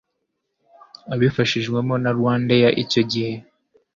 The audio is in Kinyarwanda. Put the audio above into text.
abifashijwemo na RwandAir icyo gihe